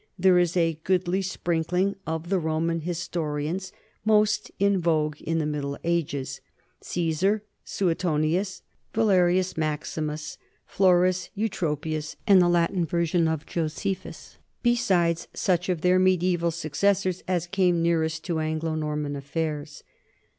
There is a goodly sprinkling of the Roman historians most in vogue in the Middle Ages, Caesar, Suetonius, Valerius Maximus, Florus, Eutropius, and the Latin version of Josephus, besides such of their mediaeval successors as came nearest to Anglo Norman affairs.